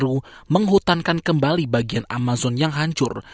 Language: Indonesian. dan peru menghutankan kembali bagian amazon yang hancur